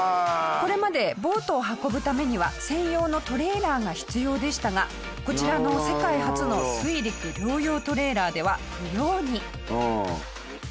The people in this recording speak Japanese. これまでボートを運ぶためには専用のトレーラーが必要でしたがこちらの世界初の水陸両用トレーラーでは不要に！